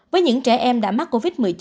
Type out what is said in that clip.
với những trẻ em đã mắc